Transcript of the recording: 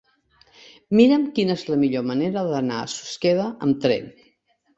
Mira'm quina és la millor manera d'anar a Susqueda amb tren.